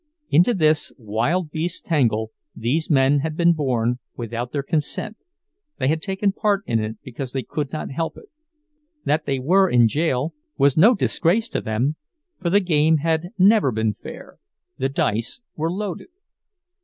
Into this wild beast tangle these men had been born without their consent, they had taken part in it because they could not help it; that they were in jail was no disgrace to them, for the game had never been fair, the dice were loaded.